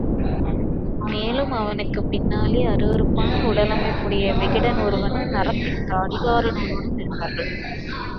மேலும் அவனுக்குப் பின்னாலே அருவருப்பான உடலமைப்புடைய விகடன் ஒருவனும், நரைத்த தாடிக்காரன் ஒருவனும் இருந்தார்கள்.